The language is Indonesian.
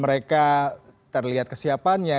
mereka terlihat kesiapannya